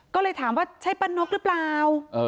ก็เลยถามว่าใช่ป้านกหรือเปล่า